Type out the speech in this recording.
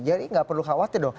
jadi tidak perlu khawatir dong